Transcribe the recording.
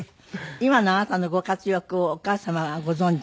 今のあなたのご活躍をお母様はご存じ？